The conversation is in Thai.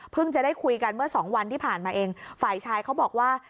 จะได้คุยกันเมื่อสองวันที่ผ่านมาเองฝ่ายชายเขาบอกว่า